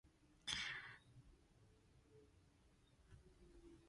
Perrine's son was hired each winter as the "snower".